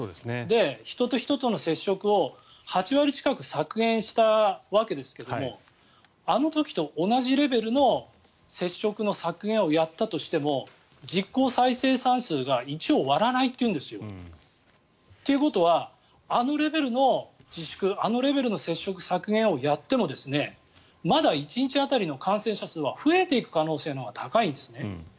人と人との接触を８割近く削減したわけですけどあの時と同じレベルの接触の削減をやったとしても実効再生産数が１を割らないっていうんですよ。ということはあのレベルの自粛あのレベルの接触削減をやってもまだ１日当たりの感染者数は増えていく可能性のほうが高いんですね。